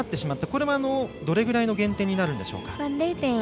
これはどれぐらいの減点になるんでしょうか。